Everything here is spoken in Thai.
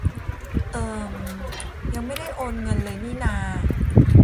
เอิ่ม ยังไม่ได้โอนเงินเลยนี่นา